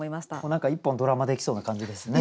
何か一本ドラマできそうな感じですね。